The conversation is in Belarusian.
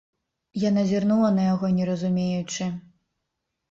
Яна зірнула на яго, не разумеючы.